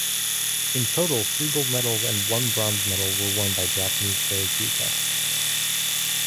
In total three gold medals and one bronze medal were won by Japanese karateka.